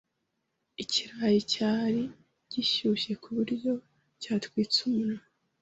Ikirayi cyari gishyushye kuburyo cyatwitse umunwa.